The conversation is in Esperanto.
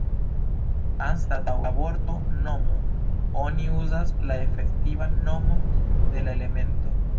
Anstataŭ la vorto "nomo" oni uzas la efektivan nomon de la elemento.